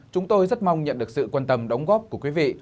chúng tôi rất mong nhận được sự quan tâm đóng góp của quý vị